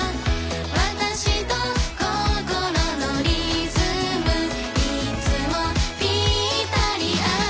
「わたしと心のリズムいつもぴったり合うね」